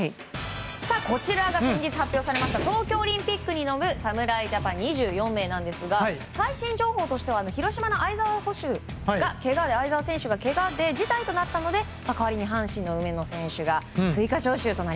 こちらが先日発表された東京オリンピックに挑む侍ジャパン２４名ですが最新情報としては広島の會澤捕手がけがで事態となったので代わりに阪神の梅野選手と。